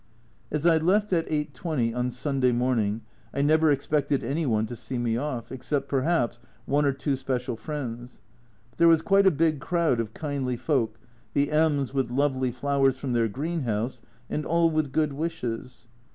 As I left at 8. 20 on Sunday morning I never expected any one to see me off, except perhaps one or two special friends, but there was quite a big crowd of kindly folk, the M .r with lovely flowers from their greenhouse, and all with good wishes.